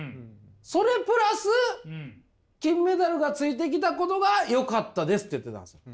それプラス金メダルがついてきたことがよかったです」って言ってたんですよ。